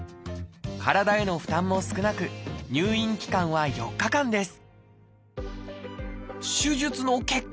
体への負担も少なく入院期間は４日間です。